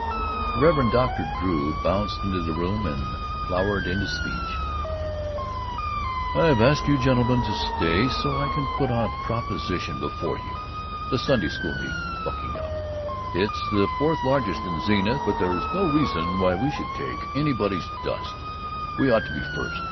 The Reverend Dr. Drew bounced into the room and flowered into speech: "I've asked you gentlemen to stay so I can put a proposition before you. The Sunday School needs bucking up. It's the fourth largest in Zenith, but there's no reason why we should take anybody's dust. We ought to be first.